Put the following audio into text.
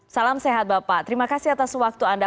salam sehat bapak terima kasih atas waktu anda